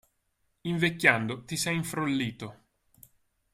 Invecchiando, ti sei infrollito.